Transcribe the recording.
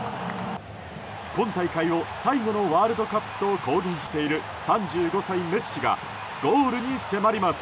今大会を最後のワールドカップと公言している３５歳、メッシがゴールに迫ります。